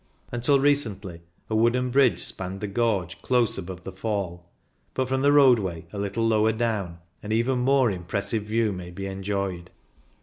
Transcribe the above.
Until recently a wooden bridge spanned the gorge close above the fall, but from the roadway a little lower down an even more impressive view may be enjoyed.